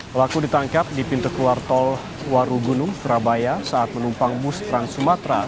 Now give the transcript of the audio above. pelaku ditangkap di pintu keluar tol warugunung surabaya saat menumpang bus trans sumatera